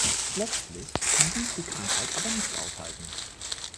Letztlich kann dies die Krankheit aber nicht aufhalten.